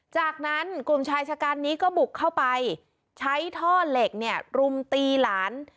จากนั้นกลุ่มชายชะกันนี้ก็บุกเข้าไปใช้ท่อเหล็กเนี่ยรุมตีหลาน